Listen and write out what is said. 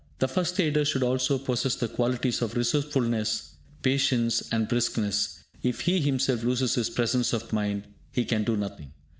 The first aider should also possess the qualities of resourcefulness, patience, and briskness; if he himself loses his presence of mind, he can do nothing.